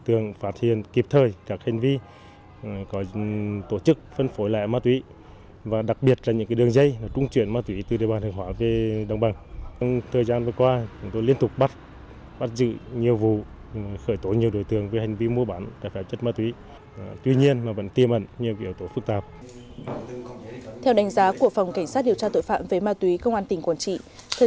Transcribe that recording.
thời gian vừa qua chúng tôi liên tục bắt dự nhiều vụ khởi tố nhiều đối tượng về hành vi mua bán đặc biệt chất ma túy tuy nhiên vẫn tiêm ẩn nhiều yếu tố phức tạp